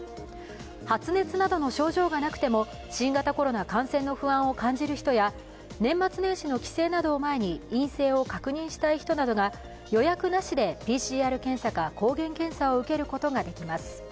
発熱などの症状がなくても新型コロナ感染の不安を感じる人や年末年始の帰省などを前に陰性を確認したい人などが予約なしでＰＣＲ検査か抗原検査を受けることができます。